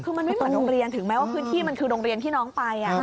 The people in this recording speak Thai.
คือมันไม่เหมือนโรงเรียนถึงแม้ว่าพื้นที่มันคือโรงเรียนที่น้องไป